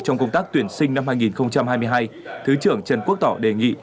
trong công tác tuyển sinh năm hai nghìn hai mươi hai thứ trưởng trần quốc tỏ đề nghị